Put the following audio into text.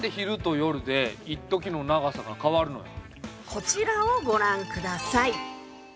こちらをご覧下さい。